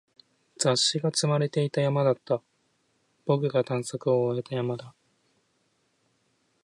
雑誌が積まれていた山だった。僕が探索を終えた山だ。